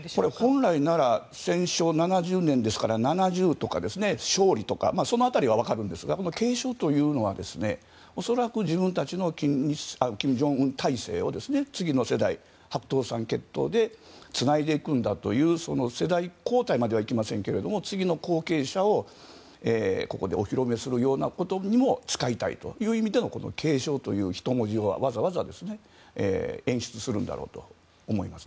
本来なら戦勝７０年ですから７０とか、勝利とかその辺りは分かるんですが継承というのは恐らく自分たちの金正恩体制を次の世代白頭山血統でつないでいくんだという世代交代まではいきませんけれど次の後継者をここでお披露目するようなことにも使いたいという意味での継承という１文字をわざわざ演出するんだろうと思います。